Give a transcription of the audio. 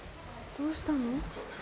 どうしたの？